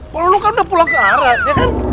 pononong kan udah pulang ke arat ya kan